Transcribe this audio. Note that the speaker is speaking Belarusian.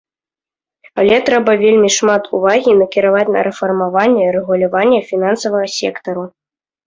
Але трэба вельмі шмат увагі накіраваць на рэфармаванне рэгулявання фінансавага сектару.